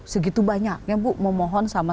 segitu banyak ya bu memohon sama